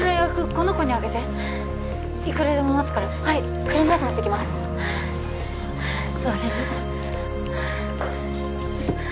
この子にあげていくらでも待つからはい車椅子持ってきます座れる？